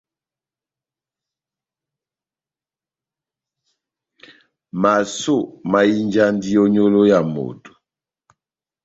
Masó mahinjandi ó nyolo ya moto.